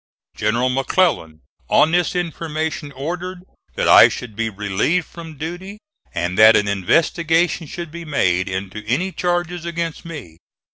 General McClellan, on this information, ordered that I should be relieved from duty and that an investigation should be made into any charges against me.